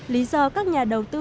lý do các nhà đầu tư